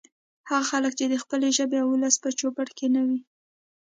هغه خلک چې د خپلې ژبې او ولس په چوپړ کې نه وي